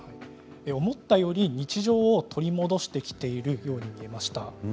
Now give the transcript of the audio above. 思った以上に日常を取り戻してきているふうに見えました。